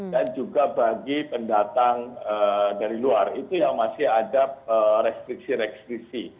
dan juga bagi pendatang dari luar itu yang masih ada restriksi restriksi